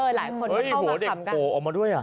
หลายคนเข้ามาขำกันหัวเด็กโพอออกมาด้วย